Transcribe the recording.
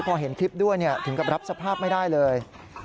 พอเห็นคลิปด้วยถึงกับรับสภาพไม่ได้เลย